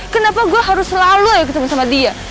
kenapa gua harus selalu ikut temen sama dia